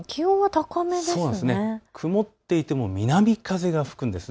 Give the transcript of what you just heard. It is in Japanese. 曇っていても南風が吹くんです。